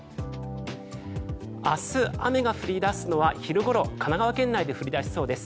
明日雨が降り出すのは昼ごろ、神奈川県内で降り出しそうです。